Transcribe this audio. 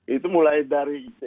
itu mulai dari